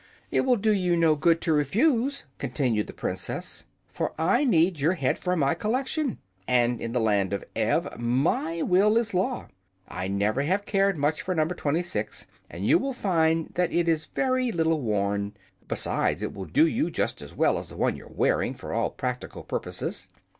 "It will do you no good to refuse," continued the Princess; "for I need your head for my collection, and in the Land of Ev my will is law. I never have cared much for No. 26, and you will find that it is very little worn. Besides, it will do you just as well as the one you're wearing, for all practical purposes."